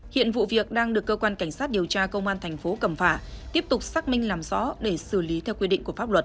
hiện vụ việc đang được cơ quan cảnh sát điều tra công an thành phố cẩm phả tiếp tục xác minh làm rõ để xử lý theo quy định của pháp luật